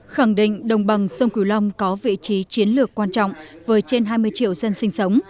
khẳng định đồng bằng sông cửu long có vị trí chiến lược quan trọng với trên hai mươi triệu dân sinh sống